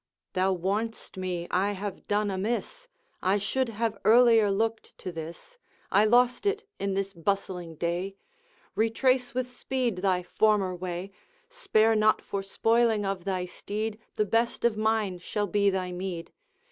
'Thou warn'st me I have done amiss, I should have earlier looked to this; I lost it in this bustling day. Retrace with speed thy former way; Spare not for spoiling of thy steed, The best of mine shall be thy meed.